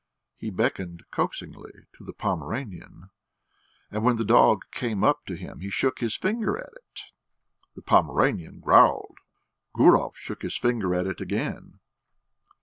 He beckoned coaxingly to the Pomeranian, and when the dog came up to him he shook his finger at it. The Pomeranian growled: Gurov shook his finger at it again.